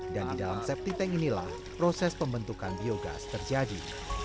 dan di dalam septic tank inilah proses pembentukan biogas terjadi